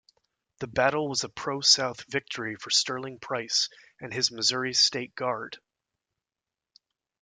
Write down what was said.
The battle was a pro-South victory for Sterling Price and his Missouri State Guard.